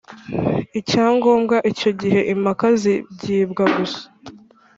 icya ngombwa Icyo gihe impaka zigibwa gusa